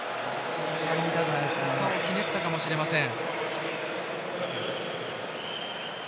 ひねったかもしれません。